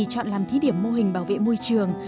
chọn làm thí điểm mô hình bảo vệ môi trường